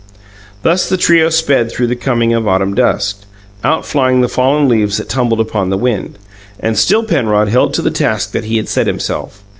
Thus the trio sped through the coming of autumn dusk, outflying the fallen leaves that tumbled upon the wind. And still Penrod held to the task that he had set himself.